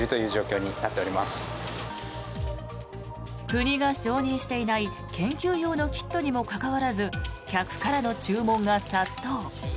国が承認していない研究用のキットにもかかわらず客からの注文が殺到。